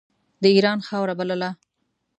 د اېران خاوره بلله.